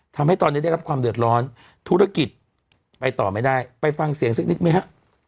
ทำให้ตอนนี้ได้รับความเดือดร้อนธุรกิจไปต่อไม่ได้ไปฟังเสียงสักนิดไหมฮะ